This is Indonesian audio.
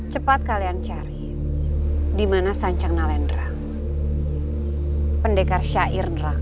cepat kalian cari di mana sancang nalendra pendekar syair nerang